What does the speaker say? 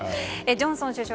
ジョンソン首相